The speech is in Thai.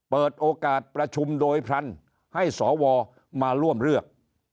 เปิดโอกาสประชุมโดยพรรณให้สวมาร่วมเลือก